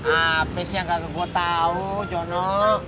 apa sih yang kagak gue tau jono